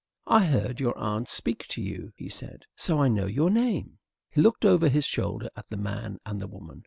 "I heard your aunt speak to you," he said. "So I know your name." He looked over his shoulder at the man and the woman.